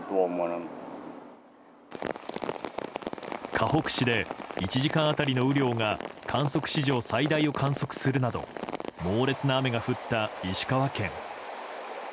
かほく市で１時間当たりの雨量が観測史上最大を観測するなど猛烈な雨が降った石川県。